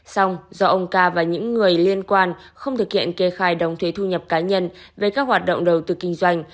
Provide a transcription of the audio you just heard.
xong do ông ca và những người liên quan không thực hiện kê khai đóng thuế thu nhập cá nhân về các hoạt động đầu tư kinh doanh